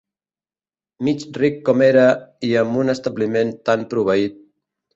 Mig ric com era i amb un establiment tant proveit